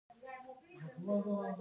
د ماشوم د هډوکو لپاره باید څه وکړم؟